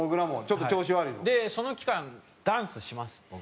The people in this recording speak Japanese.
ちょっと調子悪いの？でその期間ダンスします僕。